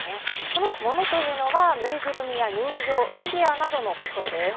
この物というのは、ぬいぐるみや人形、フィギュアなどのことです。